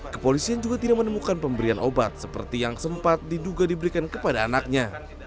kepolisian juga tidak menemukan pemberian obat seperti yang sempat diduga diberikan kepada anaknya